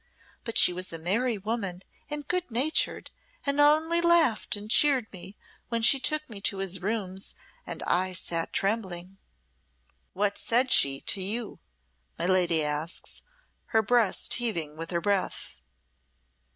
But she was a merry woman and good natured, and only laughed and cheered me when she took me to his rooms, and I sate trembling." "What said she to you?" my lady asks, her breast heaving with her breath.